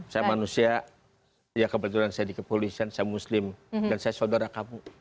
saya manusia ya kebetulan saya di kepolisian saya muslim dan saya saudara kamu